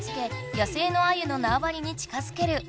野生のアユの縄張りに近づける。